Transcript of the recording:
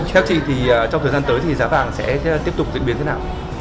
theo chị thì trong thời gian tới thì giá vàng sẽ tiếp tục diễn biến thế nào